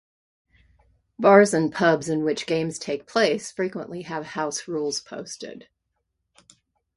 Bars and pubs in which games take place frequently have house rules posted.